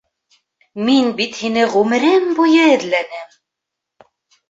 Мин бит һине ғүмерем буйы эҙләнем!